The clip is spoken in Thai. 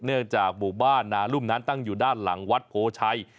เนื่องจากหมู่บ้านนารุ่มนั้นตั้งอยู่ด้านหลังวัดโพชัย